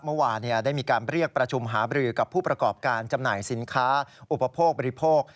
เมื่อวานได้มีการเรียกประชุมหาบรือกับผู้ประกอบการจำหน่ายสินค้าอุปโภคบริโภค